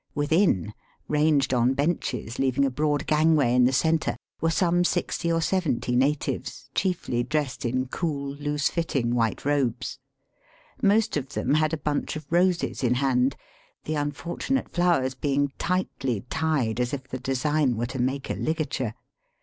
Within, ranged on benches leaving a broad gangway in the centre, were some sixty or seventy natives, chiefly dressed in cool, loose fitting white robes. Most of them had a bunch of roses in hand, the unfortunate flowers being tightly tied as if the design were to make a ligature.